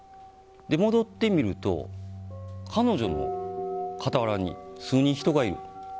戻ってみると、彼女の傍らに数人、人がいる。